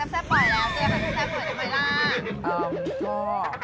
อย่าไปพึ่งแปลกหน่อยนะไหมล่ะ